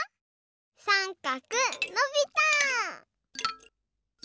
さんかくのびた！